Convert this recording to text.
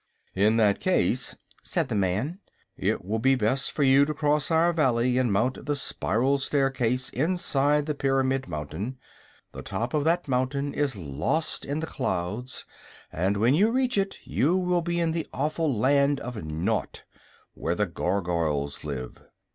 "In that case," said the man, "it will be best for you to cross our Valley and mount the spiral staircase inside the Pyramid Mountain. The top of that mountain is lost in the clouds, and when you reach it you will be in the awful Land of Naught, where the Gargoyles live."